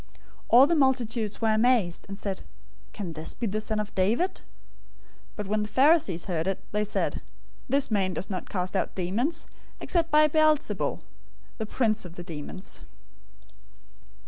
012:023 All the multitudes were amazed, and said, "Can this be the son of David?" 012:024 But when the Pharisees heard it, they said, "This man does not cast out demons, except by Beelzebul, the prince of the demons."